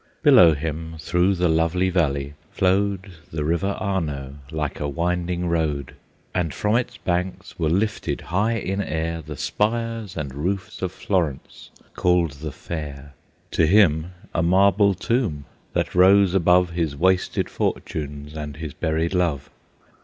Below him, through the lovely valley, flowed The river Arno, like a winding road, And from its banks were lifted high in air The spires and roofs of Florence called the Fair: To him a marble tomb, that rose above His wasted fortunes and his buried love.